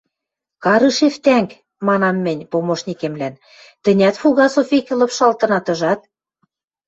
— Карышев тӓнг, — манам мӹнь помощникемлӓн, — тӹнят Фугасов векӹ лыпшалтынат, ыжат?